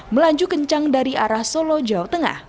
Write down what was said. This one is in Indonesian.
melaju kencang dari arah solo jawa tengah